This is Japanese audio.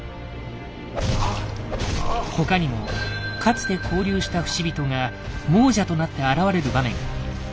他にもかつて交流した不死人が亡者となって現れる場面が。